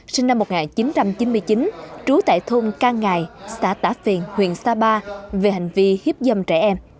sinh năm một nghìn chín trăm chín mươi chín trú tại thôn cang ngài xã tả phìn huyện sapa về hành vi hiếp dâm trẻ em